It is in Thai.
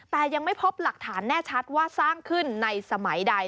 แต่ยังไม่พบหลักฐานแน่ชัดว่าสร้างขึ้นในสมัยใด